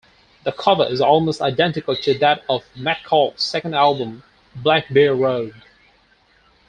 The cover is almost identical to that of McCall's second album, "Black Bear Road".